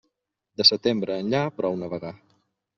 De setembre enllà, prou navegar.